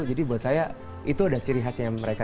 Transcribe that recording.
jadi buat saya itu ada ciri khasnya mereka